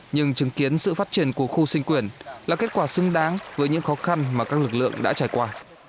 nhưng chứng kiến sự phát triển của khu sinh quyền là kết quả xứng đáng với những khó khăn mà các lực lượng đã trải qua